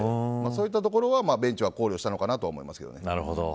そういったところをベンチはコールしたのかと思います。